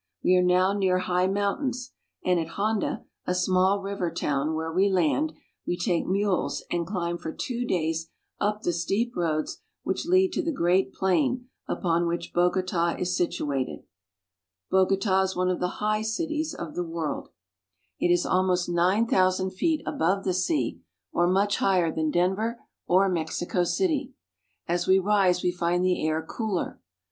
We are now near high mountains, and at Honda, a small river town, where we land, we take mules and climb for two days up the steep roads which lead to the great plain upon which Bogota is situated. Bogota is one of the high cities of the world. It is Cargo Boat. 36 COLOMBIA. almost nine thousand feet above the se.i, or much higher than Denver or Mexico city. As we rise we find the air cooler.